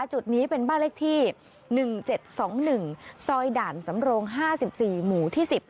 จุดนี้เป็นบ้านเลขที่๑๗๒๑ซอยด่านสำโรง๕๔หมู่ที่๑๐